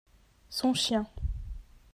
Son chien.